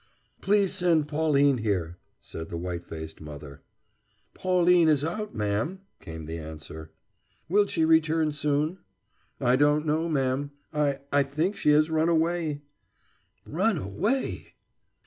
"Please send Pauline here," said the white faced mother. "Pauline is out, ma'm," came the answer. "Will she return soon?" "I don't know, ma'm I I think she has run away." "Run away!"